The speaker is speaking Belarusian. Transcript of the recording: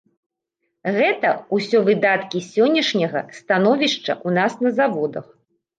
Гэта ўсё выдаткі сённяшняга становішча ў нас на заводах.